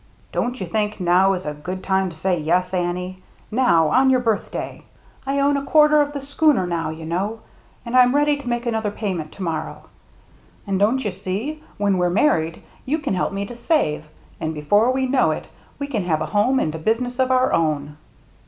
" Don't you think now is a good time to say yes, Annie, — now, on your birthday ? I own a quarter of the schooner now, you know ; and I'm ready to make another payment to mor row. And don't you see, when we're married you can help me to save, and before we know it we can have a home and a business of our own."